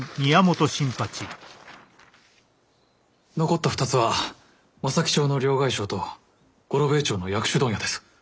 残った２つは正木町の両替商と五郎兵衛町の薬種問屋です。